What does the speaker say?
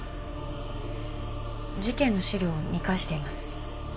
事件の資料を見返しています。